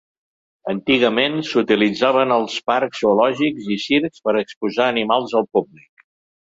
Antigament, s'utilitzaven als parcs zoològics i circs per exposar animals al públic.